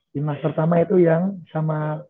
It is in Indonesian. timnas pertama itu yang sama